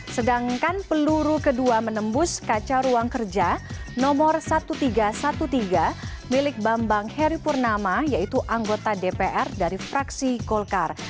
sedangkan peluru kedua menembus kaca ruang kerja nomor seribu tiga ratus tiga belas milik bambang heri purnama yaitu anggota dpr dari fraksi golkar